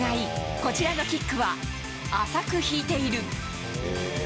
こちらのキックは浅く引いている。